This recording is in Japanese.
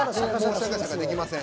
もうシャカシャカできません。